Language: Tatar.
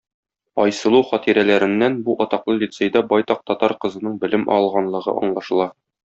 Айсылу хатирәләреннән бу атаклы лицейда байтак татар кызының белем алганлыгы аңлашыла.